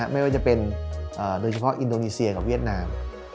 ไม่ว่าจะเป็นโดยเฉพาะอินโดนีเซียกับเวียดนาม